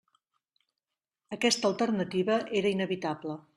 Aquesta alternativa era inevitable.